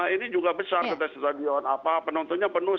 ini juga besar setadion penontonnya penuh